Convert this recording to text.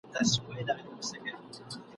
لمبو ته یې سپارلی بدخشان دی که کابل دی ,